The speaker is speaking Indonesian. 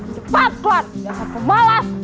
cepat keluar biasa aku malas